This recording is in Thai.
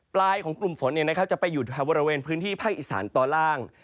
ปลายของกลุ่มฝนเนี่ยนะครับจะไปอยู่แถวบริเวณพื้นที่ภาคอีสานต่อล่าง